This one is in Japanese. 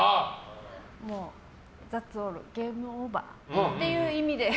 もうザッツオールゲームオーバーっていう意味で。